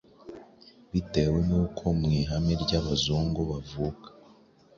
Bitewe nuko mu ihame ry Abazungu bavuKa